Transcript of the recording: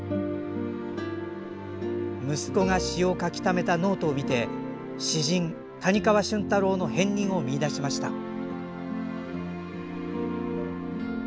息子が詩を書きためたノートを見て詩人・谷川俊太郎の片りんを見いだしました。